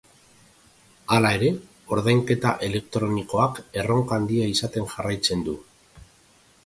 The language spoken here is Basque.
Hala ere, ordainketa elektronikoak erronka handia izaten jarraitzen du.